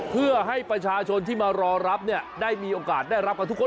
เพื่อให้ประชาชนที่มารอรับเนี่ยได้มีโอกาสได้รับกันทุกคน